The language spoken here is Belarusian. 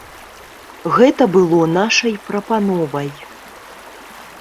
Гэта было нашай прапановай.